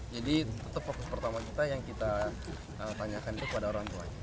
jadi tetap fokus pertama kita yang kita tanyakan itu kepada orang tuanya